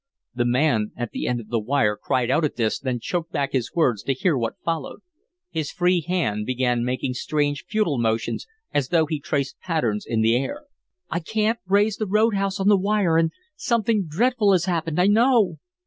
The man at the end of the wire cried out at this, then choked back his words to hear what followed. His free hand began making strange, futile motions as though he traced patterns in the air. "I can't raise the road house on the wire and something dreadful has happened, I know."